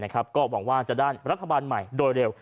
ก็หวังว่าจะได้รัฐบาลใหม่โดยเร็ว